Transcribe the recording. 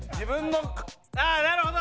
ああなるほど！